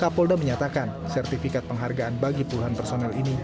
kapolda menyatakan sertifikat penghargaan bagi puluhan personel ini